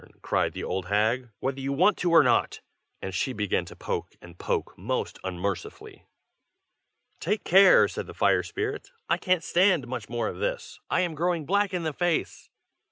cried the old hag, "whether you want to or not!" and she began to poke and poke most unmercifully. "Take care!" said the fire spirit. "I can't stand much more of this. I am growing black in the face."